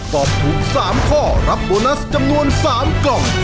ตอบถูก๓ข้อรับโบนัสจำนวน๓กล่อง